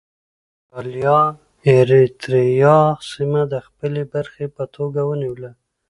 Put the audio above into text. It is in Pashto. اېټالیا اریتیریا سیمه د خپلې برخې په توګه ونیوله.